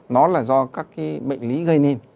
nó là do các cái bệnh lý gây nên